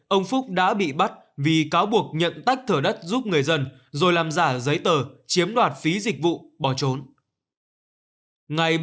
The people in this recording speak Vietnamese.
ông phúc đã bị bắt vì cáo buộc nhận tách thửa đất giúp người dân rồi làm giả giấy tờ chiếm đoạt phí dịch vụ bỏ trốn